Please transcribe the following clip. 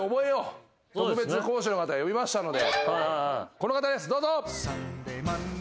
この方ですどうぞ！